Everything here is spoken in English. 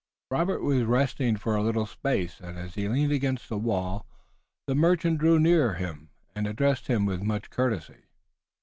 Robert was resting for a little space and as he leaned against the wall the merchant drew near him and addressed him with much courtesy.